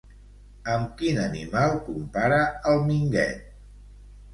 Amb quin animal compara al Minguet?